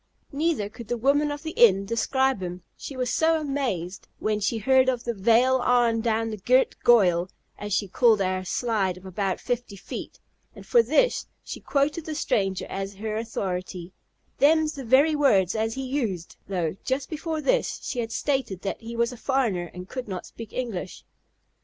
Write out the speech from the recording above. Neither could the woman of the inn describe him; she was so "mazed," when she heard of the "vail arl down the girt goyal," as she called our slide of about fifty feet; and for this she quoted the stranger as her authority, "them's the very words as he used;" though, just before this, she had stated that he was a foreigner and could not speak English.